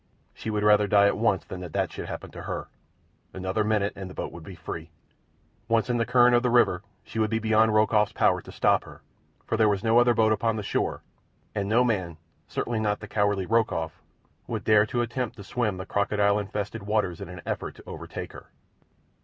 She would rather die at once than that that should happen to her. Another minute and the boat would be free. Once in the current of the river she would be beyond Rokoff's power to stop her, for there was no other boat upon the shore, and no man, and certainly not the cowardly Rokoff, would dare to attempt to swim the crocodile infested water in an effort to overtake her.